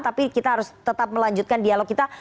tapi kita harus tetap melanjutkan dialog kita